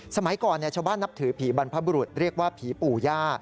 สมัยก่อนชาวบ้านนับถือผีบรรพบุรุษเรียกว่าผีปู่ย่า